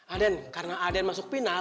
aden karena aden masuk penal